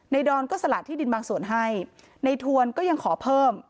ดอนก็สละที่ดินบางส่วนให้ในทวนก็ยังขอเพิ่ม